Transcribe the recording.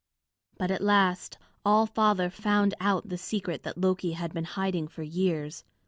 But at last All Father found out the secret that Loki had been hiding for years.